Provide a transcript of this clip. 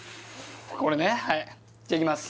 これねはいじゃあいきます